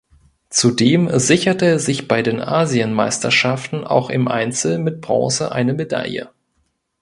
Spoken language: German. Zudem sicherte er sich bei den Asienmeisterschaften auch im Einzel mit Bronze eine Medaille.